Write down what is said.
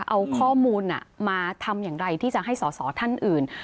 เอาข้อมูลมาทำอย่างไรที่จะให้สอสอท่านอื่น